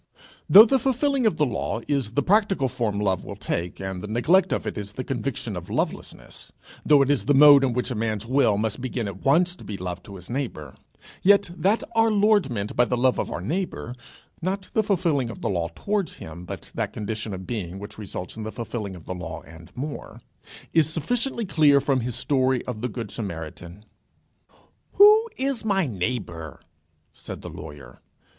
Though the fulfilling of the law is the practical form love will take, and the neglect of it is the conviction of lovelessness; though it is the mode in which a man's will must begin at once to be love to his neighbour, yet, that our Lord meant by the love of our neighbour; not the fulfilling of the law towards him, but that condition of being which results in the fulfilling of the law and more, is sufficiently clear from his story of the good Samaritan. "Who is my neighbour?" said the lawyer.